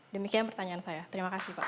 demikian pertanyaan saya terima kasih pak